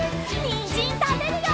にんじんたべるよ！